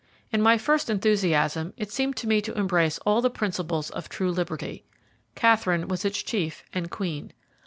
In my first enthusiasm it seemed to me to embrace all the principles of true liberty. Katherine was its chief and queen.